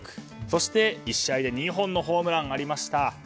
そして１試合で２本のホームランがありました。